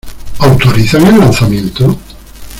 ¿ Autorizan el lanzamiento?